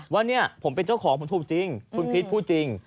ว่าเนี่ยผมเป็นเจ้าของผมถูกจริงคุณพีชพูดจริง